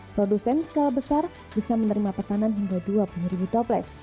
produsen skala besar bisa menerima pesanan hingga dua puluh ribu toples